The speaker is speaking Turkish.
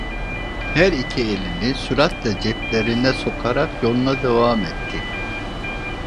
Her iki elini süratle ceplerine sokarak yoluna devam etti.